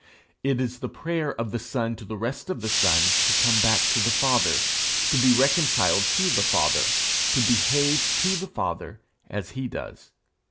It is the prayer of the Son to the rest of the sons to come back to the Father, to be reconciled to the Father, to behave to the Father as he does.